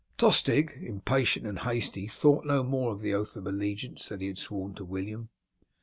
Tostig, impatient and hasty, thought no more of the oath of allegiance that he had sworn to William.